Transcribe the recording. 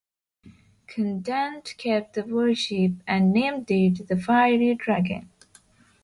Condent kept the warship, and named it "The Fiery Dragon".